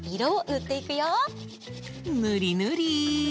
ぬりぬり！